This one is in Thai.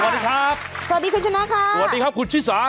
สวัสดีครับสวัสดีคุณชนะค่ะสวัสดีครับคุณชิสา